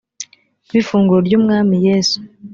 b ifunguro ry umwami yesu